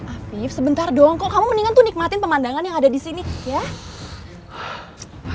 afif sebentar dong kok kamu mendingan tuh nikmatin pemandangan yang ada disini ya